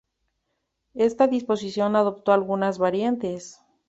Esta disposición adoptó algunas variantes.